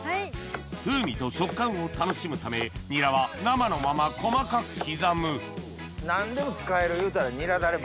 風味と食感を楽しむためニラは生のまま細かく刻む何でも使えるいうたら。